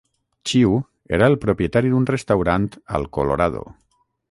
Chiu era el propietari d'un restaurant al Colorado.